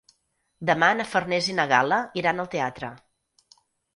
Demà na Farners i na Gal·la iran al teatre.